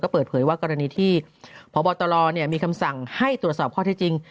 เปิดเผยว่ากรณีที่พบตรมีคำสั่งให้ตรวจสอบข้อเท็จจริง